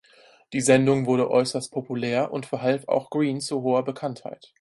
Die Sendung wurde äußerst populär und verhalf auch Greene zu hoher Bekanntheit.